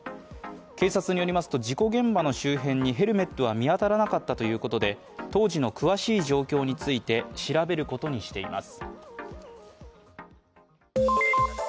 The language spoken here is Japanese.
警察によりますと、事故現場の周辺にヘルメットは見当たらなかったということで、当時の詳しい状況について調べることにしています。